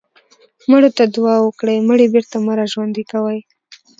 مړو ته دعا وکړئ مړي بېرته مه راژوندي کوئ.